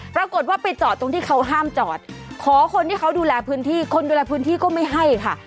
ปรากฏว่าไปจอดตรงที่เขาห้ามจอดขอคนที่เขาดูแลพื้นที่คนดูแลพื้นที่ก็ไม่ให้ค่ะ